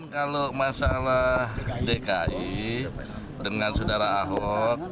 kalau masalah dki dengan saudara ahok